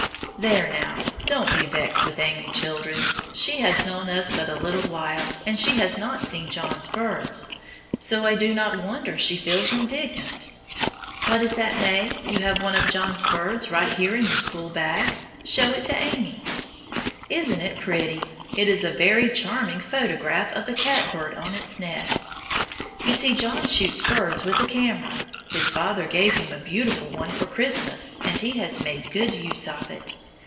There, now, don't be vexed with Amy, children. She has known us but a little while, and she has not seen John's birds, so I do not wonder she feels indignant. What is that, May? You have one of John's birds right here in your school bag? Show it to Amy. Isn't it pretty! It is a very charming photograph of a catbird on its nest. You see John shoots birds with a camera! His father gave him a beautiful one for Christmas, and he has made good use of it.